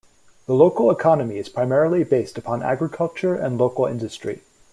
The local economy is primarily based upon agriculture and local industry.